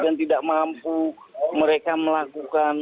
tidak mampu mereka melakukan